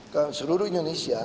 ke seluruh indonesia